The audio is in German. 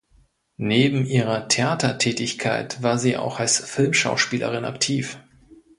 Neben ihrer Theatertätigkeit war sie auch als Filmschauspielerin aktiv.